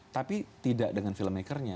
tapi tidak dengan film maker nya